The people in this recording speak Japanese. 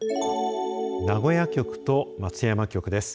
名古屋局と松山局です。